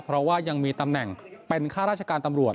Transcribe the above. เพราะว่ายังมีตำแหน่งเป็นข้าราชการตำรวจ